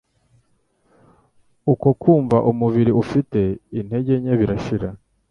uko kumva umubiri ufite intege nke birashira.